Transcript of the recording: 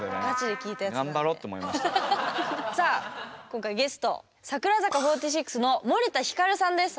今回ゲスト櫻坂４６の森田ひかるさんです。